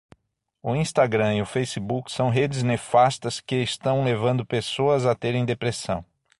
O Instagram e Facebook são redes nefastas que estão levando pessoas a terem depressão